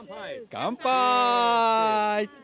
乾杯！